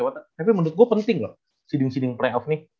tapi menurut gua penting loh seeding seeding playoff nih